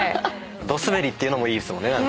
ドすべりっていうのもいいっすもんね。